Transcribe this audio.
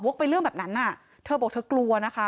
ไปเรื่องแบบนั้นอ่ะเธอบอกเธอกลัวนะคะ